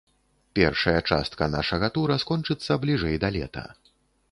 Першая частка нашага тура скончыцца бліжэй да лета.